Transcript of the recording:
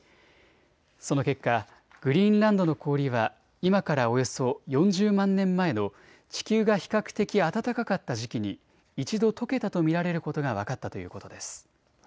その結果、グリーンランドの氷は今からおよそ４０万年前の地球が比較的、暖かかった時期に一度とけたと見られることが分かったということです。